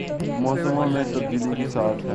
موسموں میں تبدیلی کے ساتھ ہی